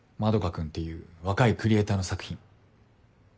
君っていう若いクリエイターの作品。